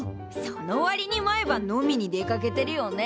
その割に毎晩飲みに出かけてるよね？